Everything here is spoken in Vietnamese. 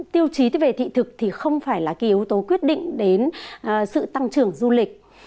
tiêu chí về thị thực thì không phải là cái yếu tố quyết định đến sự tăng trưởng du lịch